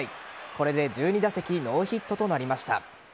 これで１２打席ノーヒットとなりました。